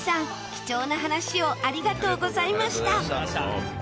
貴重な話をありがとうございました！